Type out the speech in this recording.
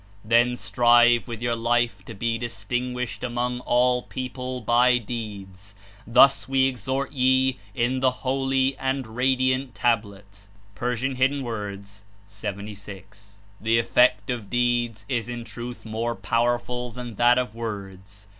Then strive zvith your life to be distiui^uished amon^ all people by deeds. Thus Jf'e exhort \e in the holy and radiant Tablet.'' (P. 76.) "The effect of deeds is in truth more pozierful than that of zvords.